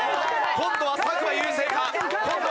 今度は作間優勢か？